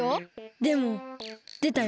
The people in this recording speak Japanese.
でもでたよ。